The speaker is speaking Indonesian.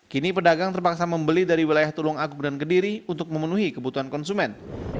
kini pedagang terpaksa membeli dari wilayah tulung agung dan kediri untuk memenuhi kebutuhan konsumen